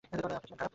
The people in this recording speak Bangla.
আপনার কি মন খারাপ?